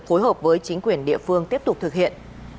phối hợp với chính quyền địa phương tiếp tục thực hiện